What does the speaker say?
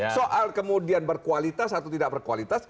soal kemudian berkualitas atau tidak berkualitas